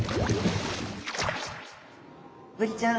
ブリちゃん